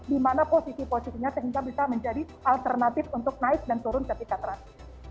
di mana posisi posisinya sehingga bisa menjadi alternatif untuk naik dan turun ketika transit